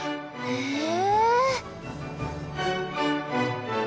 へえ！